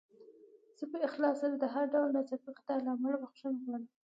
زه په اخلاص سره د هر ډول ناڅاپي خطا له امله بخښنه غواړم.